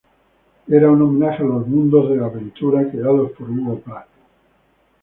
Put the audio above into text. Era un homenaje a los mundos de aventura creados por Hugo Pratt.